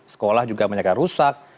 sekolah juga banyak yang rusak